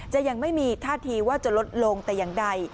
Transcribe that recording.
ยังไม่มีท่าทีว่าจะลดลงแต่อย่างใด